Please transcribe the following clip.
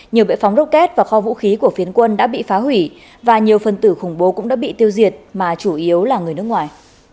nhiều bệ phóng rocket và kho vũ khí của phiến quân đã bị phá hủy và nhiều phần tử khủng bố cũng đã bị tiêu diệt mà chủ yếu là người nước ngoài